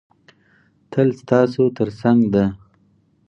تل ستاسو تر څنګ ده.